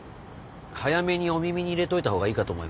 早めにお耳に入れといたほうがいいかと思いまして。